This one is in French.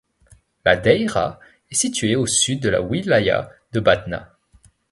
La daïra est située au sud de la wilaya de Batna.